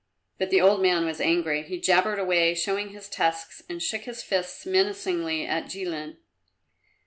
But the old man was angry. He jabbered away, showing his tusks, and shook his fists menacingly at Jilin.